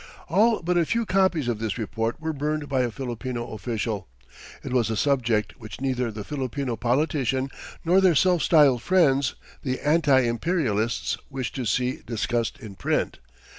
All but a few copies of this report were burned by a Filipino official. It was a subject which neither the Filipino politician nor their self styled friends the anti imperialists wished to see discussed in print.